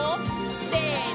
せの！